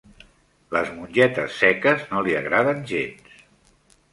Les mongetes seques no li agraden gens.